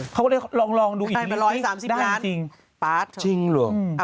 เขาก็บอกอย่างนี้เขาก็เลยลองดูอีกที